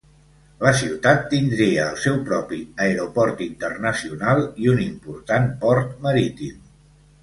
La ciutat tindria el seu propi aeroport internacional i un important port marítim.